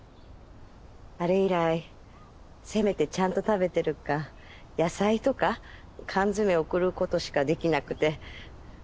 あれ以来せめてちゃんと食べてるか野菜とか缶詰送ることしかできなくて。